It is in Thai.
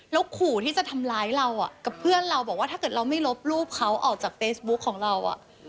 แล้วขู่ที่จะทำร้ายเรากับเพื่อนเราบอกว่าถ้าเกิดเราไม่ลบรูปเขาออกจากเฟซบุ๊คของเรา